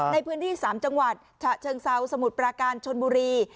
ในพื้นที่๓จังหวัดฉะเชิงเซาสมุทรปราการชนบุรี